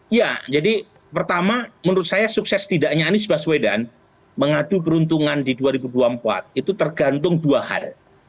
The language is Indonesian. iya jadi pertama menurut saya sukses tidaknya anies baswedan mengadu peruntungan di dua ribu dua puluh empat itu tergantung dua hal